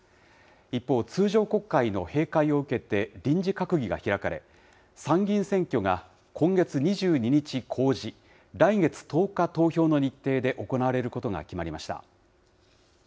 一方、通常国会の閉会を受けて、臨時閣議が開かれ、参議院選挙が今月２２日公示、来月１０日投票の日程で行われることが決まりました。